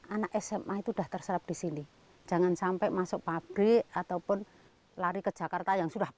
anak sma itu sudah terserap di sini jangan sampai masuk pabrik ataupun lari ke jakarta yang sudah